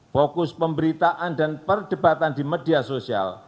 fokus pemberitaan dan perdebatan di media sosial